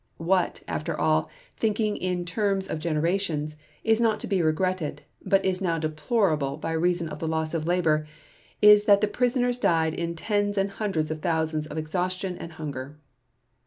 What, after all, thinking in terms of generations, is not to be regretted, but is now deplorable by reason of the loss of labor, is that the prisoners died in tens and hundreds of thousands of exhaustion and hunger."